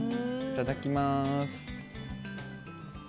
いただきます。